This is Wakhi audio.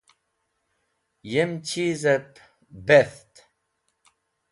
Yem dhizẽb betht.